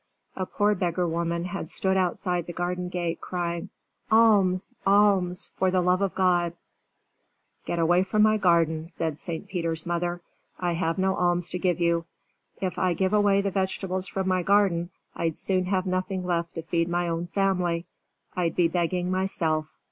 A poor beggar woman had stood outside the garden gate, crying: "Alms! Alms, for the love of God!" [Illustration: "Alms! Alms!"] "Get away from my garden," said St. Peter's mother. "I have no alms to give you. If I give away the vegetables from my garden, I'd soon have nothing left to feed my own family. I'd be begging myself."